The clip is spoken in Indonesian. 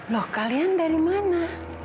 loh kalian dari mana